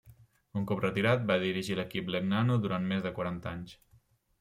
Un cop retirat va dirigir l'equip Legnano durant més de quaranta anys.